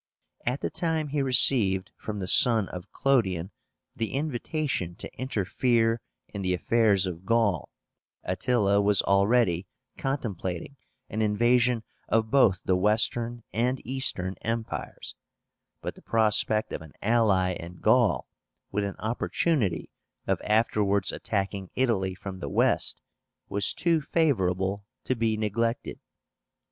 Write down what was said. At the time he received from the son of Clodion the invitation to interfere in the affairs of Gaul, Attila was already contemplating an invasion of both the Western and Eastern Empires; but the prospect of an ally in Gaul, with an opportunity of afterwards attacking Italy from the west, was too favorable to be neglected.